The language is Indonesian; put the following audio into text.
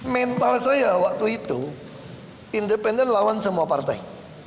mental saya waktu itu independen lawan semua partai